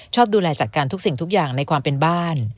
ดูแลจัดการทุกสิ่งทุกอย่างในความเป็นบ้าน